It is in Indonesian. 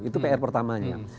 itu pr pertamanya